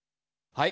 はい。